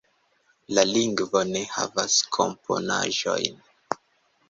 La lingvo ne havas komponaĵojn.